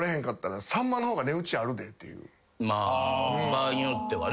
場合によってはな。